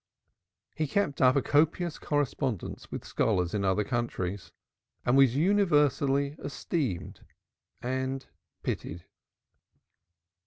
He kept up a copious correspondence with scholars in other countries and was universally esteemed and pitied.